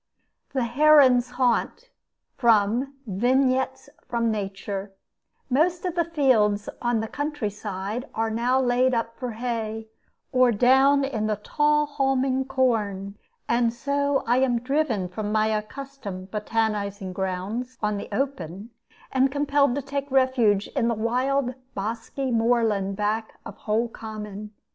THE HERON'S HAUNT From 'Vignettes from Nature' Most of the fields on the country side are now laid up for hay, or down in the tall haulming corn; and so I am driven from my accustomed botanizing grounds on the open, and compelled to take refuge in the wild bosky moor land back of Hole Common.